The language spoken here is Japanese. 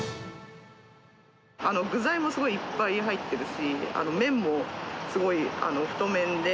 具材もすごいいっぱい入ってるし、麺もすごい太麺で、